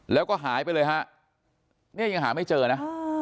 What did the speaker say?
แล้วก็หายไปเลยฮะเนี่ยยังหาไม่เจอนะ